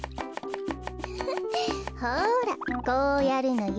ウフフほらこうやるのよ。